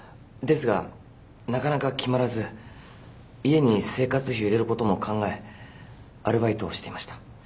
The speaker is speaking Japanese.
ですがなかなか決まらず家に生活費を入れることも考えアルバイトをしていました。